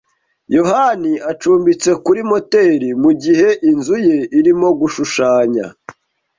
yohani acumbitse kuri motel mugihe inzu ye irimo gushushanya.